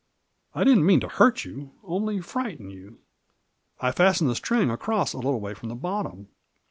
I didn't mean to hurt you— only frighten you. I fastened the string across a little way from the bottom.